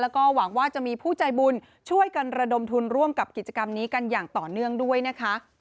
แล้วก็หวังว่าจะมีผู้ใจบุญช่วยกันระดมทุนร่วมกับกิจกรรมนี้กันอย่างต่อเนื่องด้วยนะคะ